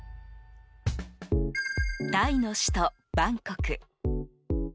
タイの首都バンコク。